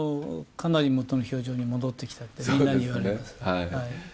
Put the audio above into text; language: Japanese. かなりもとの表情に戻ってきたって、みんなに言われます。